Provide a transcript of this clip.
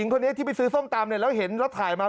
ใครบอกว่าไม่เหลือสักคำ